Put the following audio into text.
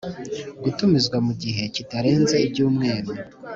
gutumizwa mu gihe kitarenze ibyumweru